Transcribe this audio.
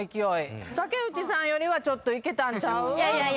竹内さんよりはちょっといけたんちゃう？